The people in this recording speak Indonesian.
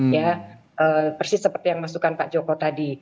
ya persis seperti yang masukkan pak joko tadi